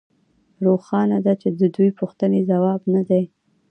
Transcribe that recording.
روښانه ده چې د دې پوښتنې ځواب نه دی